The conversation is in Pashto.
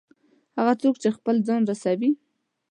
هغه څوک چې خپل ځان رسوي.